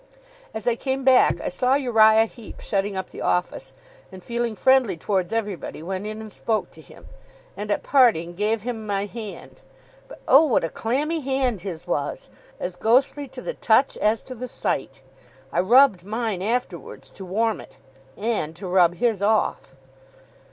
As I came back, I saw Uriah Heep shutting up the office; and feeling friendly towards everybody, went in and spoke to him, and at parting, gave him my hand. But oh, what a clammy hand his was! as ghostly to the touch as to the sight! I rubbed mine afterwards, to warm it, AND TO RUB HIS OFF.